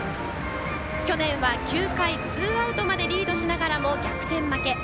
去年は９回ツーアウトまでリードしながらも、逆転負け。